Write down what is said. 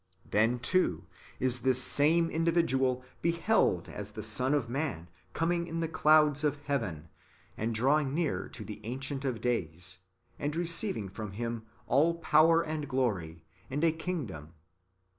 Then, too, is this same individual beheld as the Son of man coming in the clouds of heaven, and drawing near to the Ancient of Days, and receiving from Him all power and glory, and a kingdom.